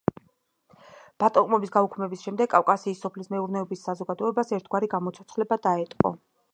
ბატონყმობის გაუქმების შემდეგ კავკასიის სოფლის მეურნეობის საზოგადოებას ერთგვარი გამოცოცხლება დაეტყო.